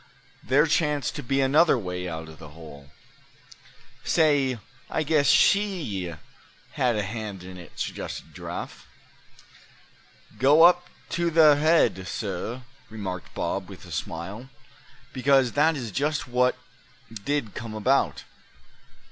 There chanced to be another way out of the hole." "Say, I guess she had a hand in it!" suggested Giraffe. "Go up to the head, suh," remarked Bob, with a smile; "because that is just what did come about.